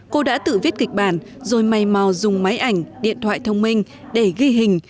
cô đã tự viết kịch bản rồi may mò dùng máy ảnh điện thoại thông minh để ghi hình